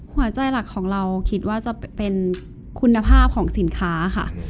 หลักของเราคิดว่าจะเป็นคุณภาพของสินค้าค่ะ